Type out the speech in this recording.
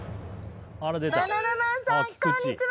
バナナマンさんこんにちは。